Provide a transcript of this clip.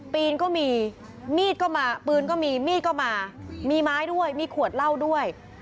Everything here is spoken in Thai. ปีนก็มีมีดก็มาปืนก็มีมีดก็มามีไม้ด้วยมีขวดเหล้าด้วย